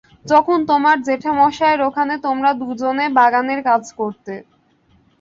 যখন তোমার জেঠামশায়ের ওখানে তোমরা দুজনে বাগানের কাজ করতে।